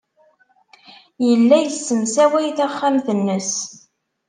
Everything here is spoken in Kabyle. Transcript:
Yella yessemsaway taxxamt-nnes.